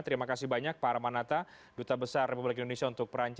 terima kasih banyak pak armanata duta besar republik indonesia untuk perancis